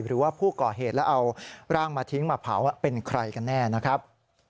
หรือว่าผู้ก่อเหตุแล้วเอาร่างมาทิ้งมาเผาเป็นใครกันแน่นะครับ